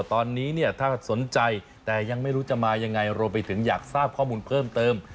ตอนนี้เนี่ยถ้าสนใจแต่ยังไม่รู้จะมายังไงรวมไปถึงอยากทราบข้อมูลเพิ่มเติม